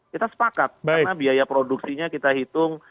kita sepakat karena biaya produksinya kita hitung